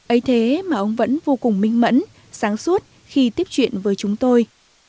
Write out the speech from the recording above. ây thế mà ông vẫn vô cùng minh mẫn sáng suốt khi tiếp chuyện với chúng tôi